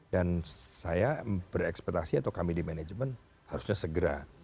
dan saya berekspetasi atau kami di manajemen harusnya segera